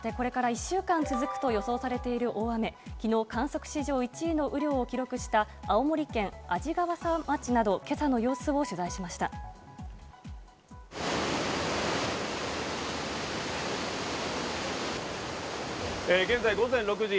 これから１週間続くと予想されている大雨、昨日観測史上１位の雨量を記録した青森県鰺ヶ沢町など、今朝の様子を現在午前６時。